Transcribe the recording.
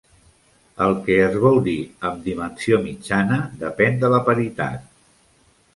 El que es vol dir amb "dimensió mitjana" depèn de la paritat.